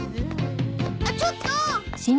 あっちょっと！